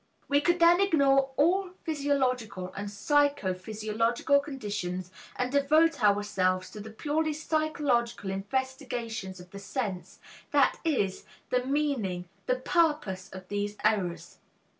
We could then ignore all physiological and psycho physiological conditions and devote ourselves to the purely psychological investigations of the sense, that is, the meaning, the purpose of these errors.